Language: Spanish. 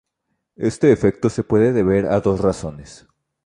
Este efecto se puede deber a dos razones.